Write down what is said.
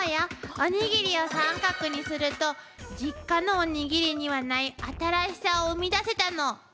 おにぎりを三角にすると実家のおにぎりにはない新しさを生み出せたの。